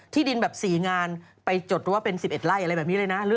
ดินแบบ๔งานไปจดรั้วเป็น๑๑ไร่อะไรแบบนี้เลยนะ